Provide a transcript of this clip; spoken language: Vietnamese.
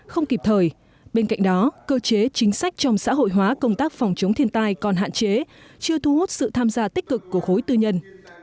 không kịp thời bên cạnh đó cơ chế chính sách trong xã hội hóa công tác phòng chống thiên tai còn hạn chế chưa thu hút sự tham gia tích cực của khối tư nhân